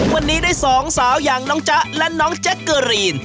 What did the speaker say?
วันนี้ได้สองสาวอย่างน้องจ๊ะและน้องแจ๊กเกอรีน